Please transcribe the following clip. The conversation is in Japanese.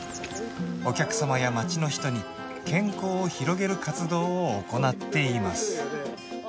お客様や町の人に健康を広げる活動を行っています